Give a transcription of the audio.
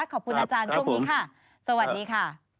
ขอบคุณอาจารย์ช่วงนี้ค่ะสวัสดีค่ะ